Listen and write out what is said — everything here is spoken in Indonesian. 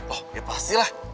oh ya pasti lah